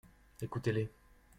Écoutez-les.